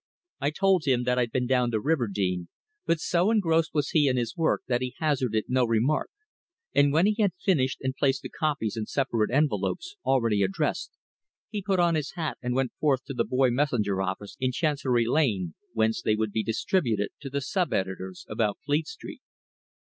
I told him that I'd been down to Riverdene, but so engrossed was he in his work that he hazarded no remark, and when he had finished and placed the copies in separate envelopes, already addressed, he put on his hat and went forth to the Boy Messenger Office in Chancery Lane, whence they would be distributed to the sub editors about Fleet Street.